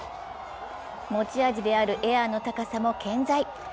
持ち味であるエアの高さも健在。